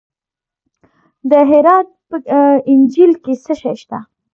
د هرات په انجیل کې څه شی شته؟